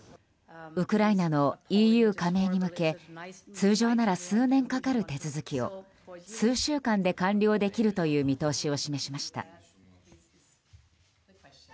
ウクライナのＥＵ加盟に向け通常なら数年かかる手続きを数週間で完了できるという見通しを示しました。